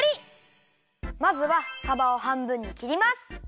まずはさばをはんぶんにきります。